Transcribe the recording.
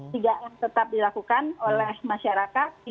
tidak akan tetap dilakukan oleh masyarakat